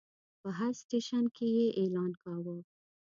په هر سټیشن کې یې اعلان کاوه.